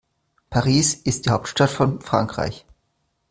Paris ist die Hauptstadt von Frankreich.